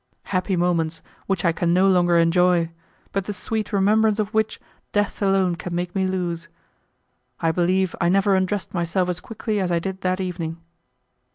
Happy moments which I can no longer enjoy, but the sweet remembrance of which death alone can make me lose! I believe I never undressed myself as quickly as I did that evening.